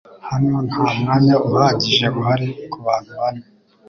Hano nta mwanya uhagije uhari kubantu bane.